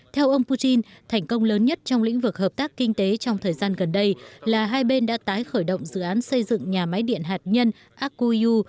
theo ông putin thành công lớn nhất trong lĩnh vực hợp tác kinh tế trong thời gian gần đây là hai bên đã tái khởi động dự án xây dựng nhà máy điện hạt nhân akuyu